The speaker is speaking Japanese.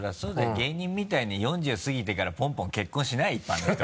芸人みたいに４０過ぎてからポンポン結婚しない一般の人が。